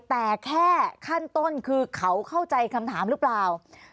แต่แค่ขั้นต้นคือเขาเข้าใจคำถามหรือเปล่า